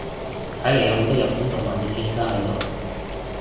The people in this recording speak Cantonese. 睇嚟有好多日本動漫嘅專家喺度